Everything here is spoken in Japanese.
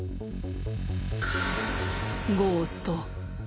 ゴースト。